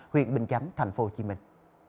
huyện bình chánh thành phố hồ chí minh